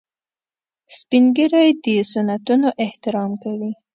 سپین ږیری د سنتونو احترام کوي